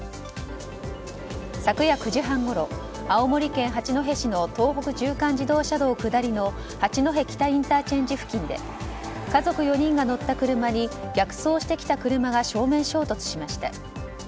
昨夜９時半ごろ青森県八戸市の東北縦貫自動車道下りの八戸北ＩＣ付近で家族４人が乗った車に逆走してきた車が正面衝突しました。